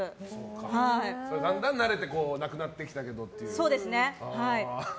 だんだん慣れてなくなってきたけどという。